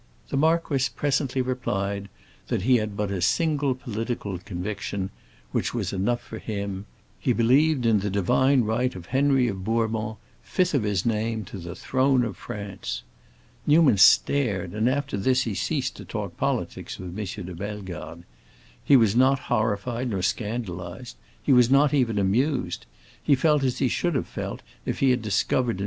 The marquis presently replied that he had but a single political conviction, which was enough for him: he believed in the divine right of Henry of Bourbon, Fifth of his name, to the throne of France. Newman stared, and after this he ceased to talk politics with M. de Bellegarde. He was not horrified nor scandalized, he was not even amused; he felt as he should have felt if he had discovered in M.